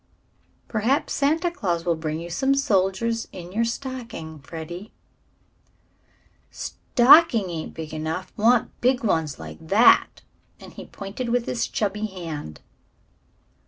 "Perhaps Santa Claus will bring you some soldiers in your stocking, Freddie." "Stocking ain't big enough want big ones, like that," and he pointed with his chubby hand.